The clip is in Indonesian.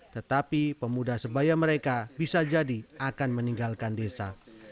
tetapi pemuda sebaya mereka bisa jadi akan meninggalkan desa